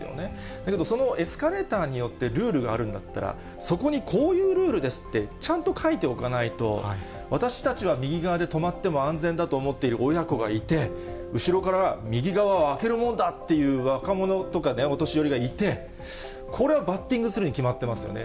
だけどそのエスカレーターによってルールがあるんだったら、そこにこういうルールですって、ちゃんと書いておかないと、私たちは右側で止まっても安全だと思っている親子がいて、後ろから右側は空けるもんだという若者とかお年寄りがいて、これはバッティングするに決まってますよね。